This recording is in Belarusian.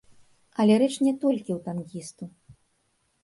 Але рэч не толькі ў танкісту.